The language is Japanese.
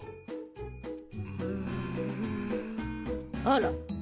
あら。